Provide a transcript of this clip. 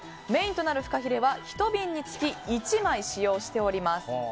メインとなるフカヒレは１瓶につき１枚使用しています。